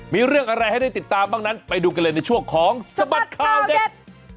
มีเรื่องอะไรให้ได้ติดตามบ้างนั้นไปดูกันเลยในช่วงของสบัดข่าวเด็ก